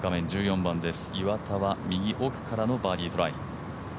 １４番です、岩田は右奥からのバーディートライ。